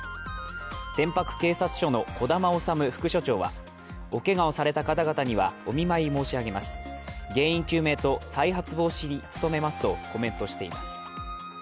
天白警察署の児玉修副署長は、おけがをされた方々にはお見舞い申し上げます、原因究明と再発防止に努めますとコメントしています。